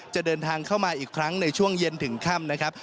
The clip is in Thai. จะเดินทางเข้ามาอีกครั้งในช่วงเย็นถึงค่ำนะครับ